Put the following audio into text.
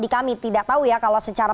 di kami tidak tahu ya kalau secara